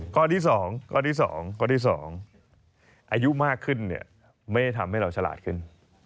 ข้อที่๒อายุมากขึ้นไม่ได้ทำให้เราฉลาดขึ้น